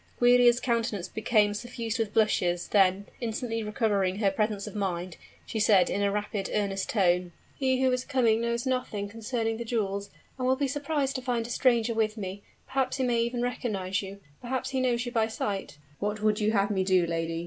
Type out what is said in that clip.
Giulia's countenance became suffused with blushes: then, instantly recovering her presence of mind, she said in a rapid, earnest tone, "He who is coming knows nothing concerning the jewels, and will be surprised to find a stranger with me. Perhaps he may even recognize you perhaps he knows you by sight " "What would you have me do, lady?"